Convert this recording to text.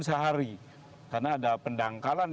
sehari karena ada pendangkalan